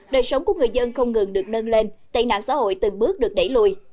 đời sống của người dân không ngừng được nâng lên tệ nạn xã hội từng bước được đẩy lùi